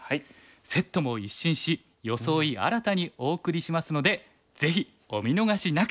セットも一新し装い新たにお送りしますのでぜひお見逃しなく！